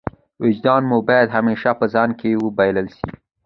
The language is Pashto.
وجدان مو باید همېشه په ځان کښي وبلل سي.